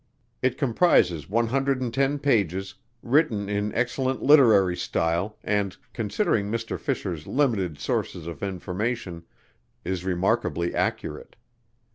It comprises 110 pages, written in excellent literary style and, considering Mr. Fisher's limited sources of information, is remarkably accurate.